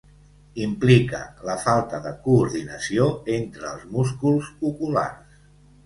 Implica la falta de coordinació entre els músculs oculars.